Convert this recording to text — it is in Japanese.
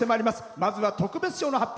まずは特別賞の発表。